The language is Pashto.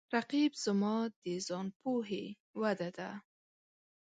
رقیب زما د ځان پوهې وده ده